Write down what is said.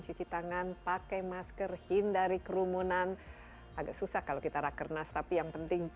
cuci tangan pakai masker hindari kerumunan agak susah kalau kita rakernas tapi yang penting